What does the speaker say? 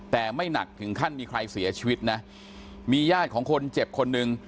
แต่ไม่หนักถึงขั้นมีใครเสียชีวิตนะมีญาติของคนเจ็บคนหนึ่ง